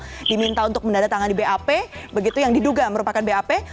jadi itu adalah hal yang sangat penting untuk mendatangkan di bap begitu yang diduga merupakan bap